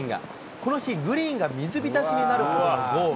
この日、グリーンが水浸しになるほどの豪雨。